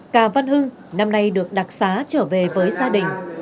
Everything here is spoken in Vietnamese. cà văn hưng năm nay được đặc xá trở về với gia đình